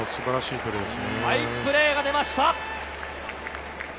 ファインプレーが出ました！